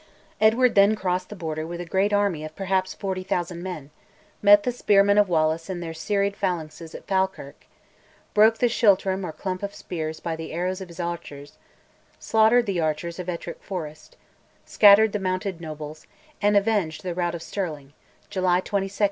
Edward then crossed the Border with a great army of perhaps 40,000 men, met the spearmen of Wallace in their serried phalanxes at Falkirk, broke the "schiltrom" or clump of spears by the arrows of his archers; slaughtered the archers of Ettrick Forest; scattered the mounted nobles, and avenged the rout of Stirling (July 22, 1298).